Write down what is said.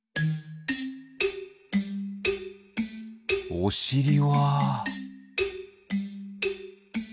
おしりは？